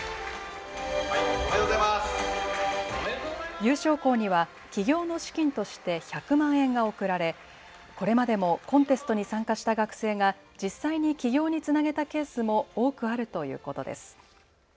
優勝校には起業の資金として１００万円が贈られこれまでもコンテストに参加した学生が実際に起業につなげたケースも多くあるということです。